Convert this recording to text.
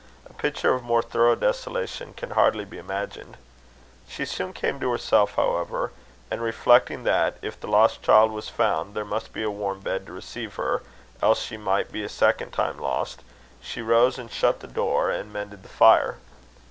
A picture of more thorough desolation can hardly be imagined. She soon came to herself, however; and reflecting that, if the lost child was found, there must be a warm bed to receive her, else she might be a second time lost, she rose and shut the door, and mended the fire.